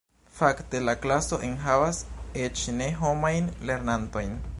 Fakte, la klaso enhavas eĉ ne-homajn lernantojn.